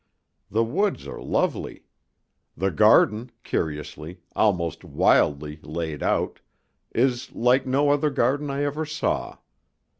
The woods are lovely. The garden, curiously, almost wildly, laid out, is like no other garden I ever saw.